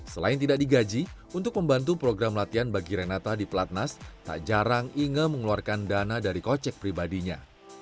selain tidak digaji untuk membantu program latihan bagi renata di pelatnas tak jarang inge mengeluarkan dana dari kocek pribadinya